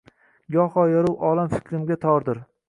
Goho yorug‘ olam fikrimga tordir.